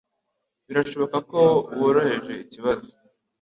Birashoboka ko woroheje ikibazo.